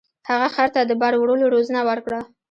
هغه خر ته د بار وړلو روزنه ورکړه.